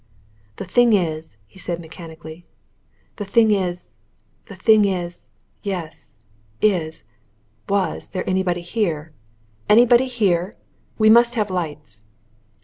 "The thing is," he said mechanically, "the thing is, the thing is yes, is was there anybody here anybody here! We must have lights."